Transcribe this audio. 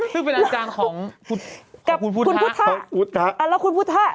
ซึ่งเป็นอาจารย์ของคุณภุตภาษณ์ของคุณภุตธะอ๋อแล้วคุณภุตภาษณ์